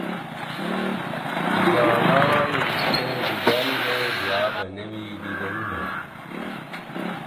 د جانان وروستی دیدن دی بیا به نه وي دیدنونه.